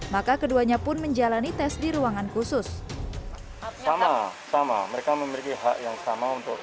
maka keduanya pun menjalani tes di ruangan khusus sama sama mereka memiliki hak yang sama untuk